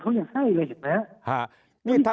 เธอเขายังให้เลยอยู่แม้